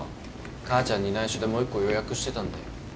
母ちゃんに内緒でもう一個予約してたんだよ。